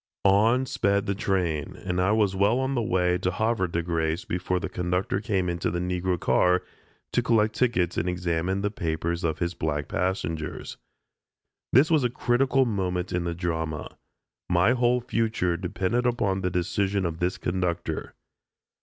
On sped the train, and I was well on the way to Havre de Grace before the conductor came into the Negro car to collect tickets and examine the papers of his black passengers. This was a critical moment in the drama. My whole future depended upon the decision of this conductor.